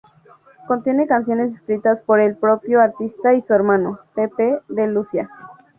Contiene canciones escritas por el propio artista y su hermano, Pepe de Lucía.